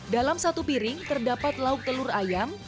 dalam satu piring terdapat lauk telur ayam